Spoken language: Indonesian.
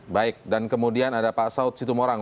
baik dan kemudian ada pak saud situmorang